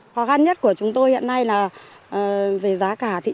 điều nhất của chúng tôi hiện nay là về giá cả